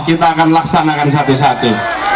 kita akan laksanakan satu satu